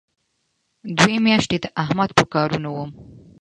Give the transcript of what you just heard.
دوې میاشتې د احمد په کارونو وم.